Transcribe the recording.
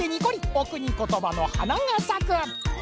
お国ことばのはながさく。